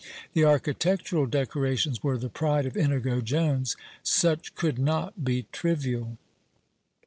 The architectural decorations were the pride of Inigo Jones; such could not be trivial.